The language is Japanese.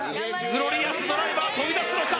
グロリアスドライバー飛び出すのか？